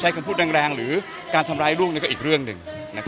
กันนิย์ทำร้ายลูกก็อีกเรื่องหนึ่ง